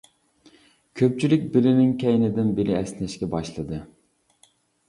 كۆپچىلىك بىرىنىڭ كەينىدىن بىرى ئەسنەشكە باشلىدى.